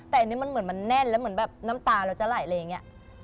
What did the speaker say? แต่อันนี้มันเหมือนมันแน่นแล้วเหมือนแบบน้ำตาเราจะไหลอะไรอย่างนี้